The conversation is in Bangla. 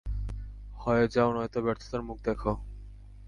হয় যাও নয়তো ব্যর্থতার মুখ দেখো।